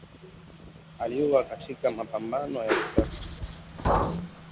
aliuawa katika mapambano ya risasi